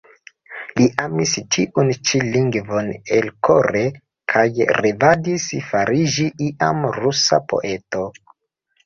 Li amis tiun ĉi lingvon elkore, kaj revadis fariĝi iam rusa poeto.